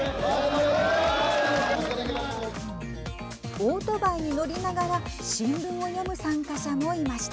オートバイに乗りながら新聞を読む参加者もいました。